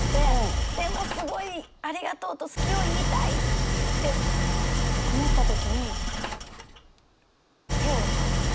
でもすごい「ありがとう」と「好き」を言いたいって思った時に手を出しました。